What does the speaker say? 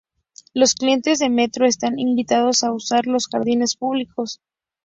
Los clientes de Metro están invitados a usar los jardines públicos.